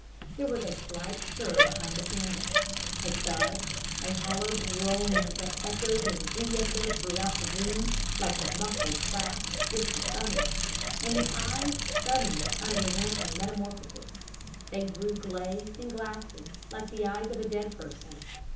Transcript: There was a slight stir behind the canvas, a thud, a hollow groan that echoed and re echoed throughout the room like the muffled clap of distant thunder, and the eyes suddenly underwent a metamorphosis they grew glazed and glassy like the eyes of a dead person.